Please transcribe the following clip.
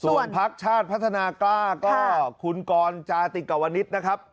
ส่วนพักชาติพัฒนากล้าก็คุณกรจาติกวนิษฐ์นะครับ